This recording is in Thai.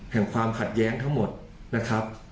แห่งความขัดแย้งทั้งหมดนะครับ